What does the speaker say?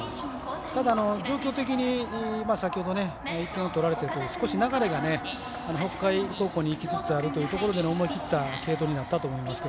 ただ、状況的に先ほど１点を取られてという少し流れが北海高校にいきつつあるというところでの思い切った継投です。